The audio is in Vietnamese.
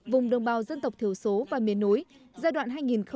vùng đồng bào dân tộc thiểu số và miền núi giai đoạn hai nghìn hai mươi một hai nghìn ba mươi